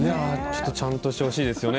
ちゃんとしてほしいですよね